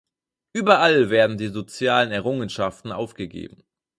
Überall werden die sozialen Errungenschaften aufgegeben.